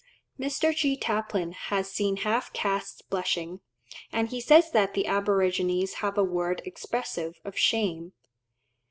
Mr. G. Taplin has seen half castes blushing, and he says that the aborigines have a word expressive of shame.